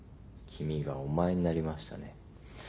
「君」が「お前」になりましたね。